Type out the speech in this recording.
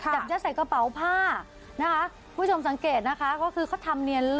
จะยัดใส่กระเป๋าผ้านะคะคุณผู้ชมสังเกตนะคะก็คือเขาทำเนียน